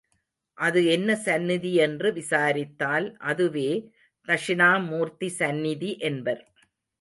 அது என்ன சந்நிதி என்று விசாரித்தால் அதுவே தக்ஷிணாமூர்த்தி சந்நிதி என்பர்.